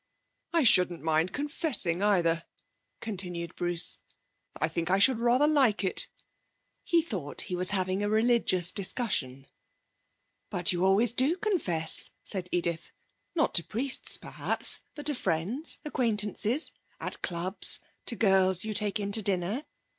'I should not mind confessing, either,' continued Bruce, 'I think I should rather like it.' (He thought he was having a religious discussion.) 'But you always do confess,' said Edith, 'not to priests, perhaps, but to friends; to acquaintances, at clubs, to girls you take in to dinner.